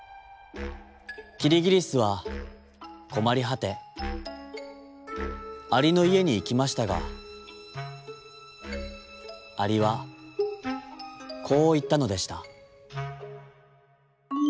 キリギリスはこまりはてアリのいえにいきましたがアリはこういったのでした。